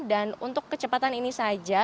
dan untuk kecepatan ini saja